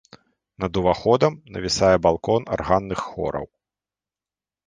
Над уваходам навісае балкон арганных хораў.